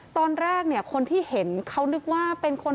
ตอนแรกคนที่เห็นเขานึกว่าเป็นห่วง